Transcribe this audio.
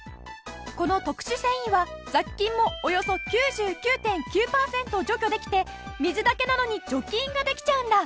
この特殊繊維は雑菌をおよそ９９．９パーセント除去できて水だけなのに除菌ができちゃうんだ。